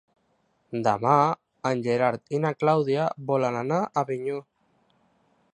Demà en Gerard i na Clàudia volen anar a Avinyó.